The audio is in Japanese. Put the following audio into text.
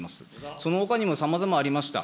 そのほかにもさまざまありました。